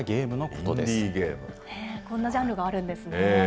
こんなジャンルがあるんです